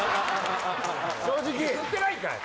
正直言ってないんかい！